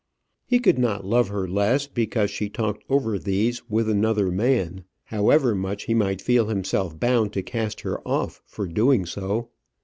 He could not love her less because she talked over these with another man, however much he might feel himself bound to cast her off for doing so.